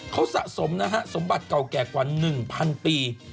เขาสะสมนะฮะสมบัติเก่าแก่กว่า๑๐๐ปี